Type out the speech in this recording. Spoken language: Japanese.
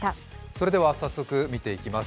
それでは早速見ていきます。